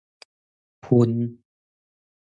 分